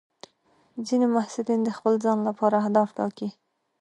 ځینې محصلین د خپل ځان لپاره اهداف ټاکي.